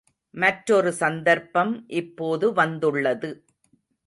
மற்றொரு சந்தர்ப்பம் இப்போது வந்துள்ளது.